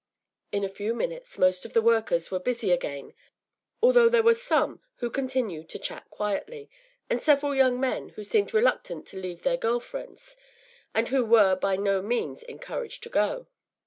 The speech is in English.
” In a few minutes most of the workers were busy again, although there were some who continued to chat quietly, and several young men who seemed reluctant to leave their girl friends, and who were by no means encouraged to go!